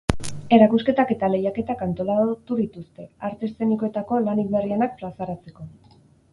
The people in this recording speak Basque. Erakusketak eta lehiaketak antolatu dituzte, arte eszenikoetako lanik berrienak plazaratzeko.